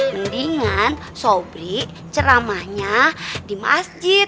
mendingan sobri ceramahnya di masjid